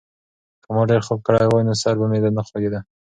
که ما ډېر خوب کړی وای، نو سر به مې نه خوږېده.